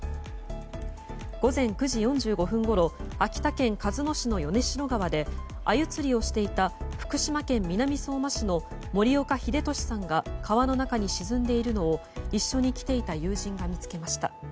午前９時４５分ごろ秋田県鹿角市の米代川でアユ釣りをしていた福島県南相馬市の森岡秀俊さんが川の中に沈んでいるのを一緒に来ていた友人が見つけました。